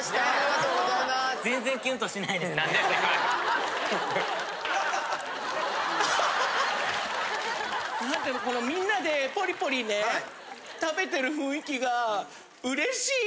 どこのみんなでポリポリね食べてる雰囲気が嬉しい！